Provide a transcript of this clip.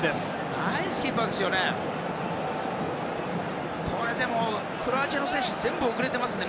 ナイスキーパーですよね。